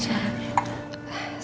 terima kasih ya pak seorang